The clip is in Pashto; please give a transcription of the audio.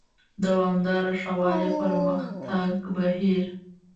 د دوامداره ښه والي او پرمختګ بهیر: